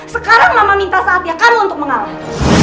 sekarang lama minta saatnya kamu untuk mengalah